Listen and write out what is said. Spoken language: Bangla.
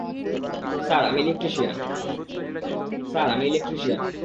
স্যার, আমি ইলেকট্রিশিয়ান।